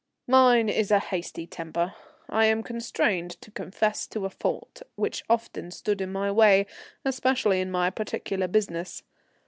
Mine is a hasty temper; I am constrained to confess to a fault which often stood in my way especially in my particular business.